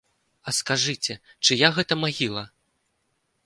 А скажыце, чыя гэта магіла?